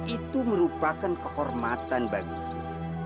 itu merupakan kehormatan bagiku